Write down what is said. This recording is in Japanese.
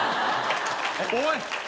おい！